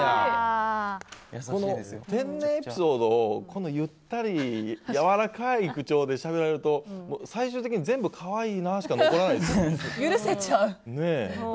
天然エピソードをゆったりやわらかい口調で言われると最終的に全部可愛いなしか残らないですね。